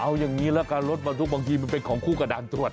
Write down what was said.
เอาอย่างนี้ละกันรถบรรทุกบางทีมันเป็นของคู่กับด่านตรวจ